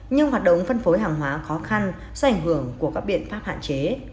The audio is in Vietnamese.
nhưng hoạt động phân phối hàng hóa khó khăn do ảnh hưởng của các biện pháp hạn chế